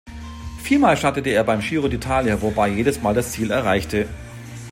Viermal startete er beim Giro d’Italia, wobei er jedes Mal das Ziel erreichte.